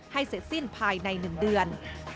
ให้เสร็จสิ้นภายใน๑เดือน